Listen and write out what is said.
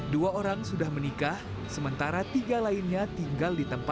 dua orang sudah menikah sementara tiga lainnya tinggal ditempatkan